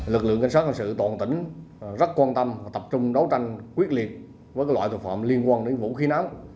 lực lượng cảnh sát cảnh sự toàn tỉnh rất quan tâm và tập trung đấu tranh quyết liệt với loại thực phẩm liên quan đến vũ khí nám